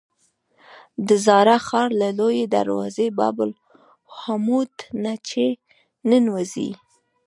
د زاړه ښار له لویې دروازې باب العمود نه چې ننوځې.